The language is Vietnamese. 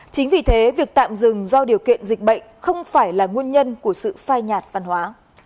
chính vì thế việc tạm dừng do điều kiện dịch bệnh không phải là nguyên nhân của sự phai nhạt văn hóa